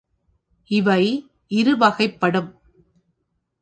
இவை இரு வகைப்படும்.